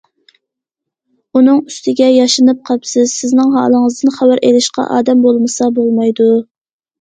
ئۇنىڭ ئۈستىگە ياشىنىپ قاپسىز، سىزنىڭ ھالىڭىزدىن خەۋەر ئېلىشقا ئادەم بولمىسا بولمايدۇ.